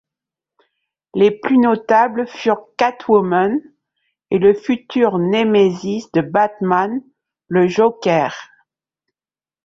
Les plus notables furent Catwoman et le futur némésis de Batman, le Joker.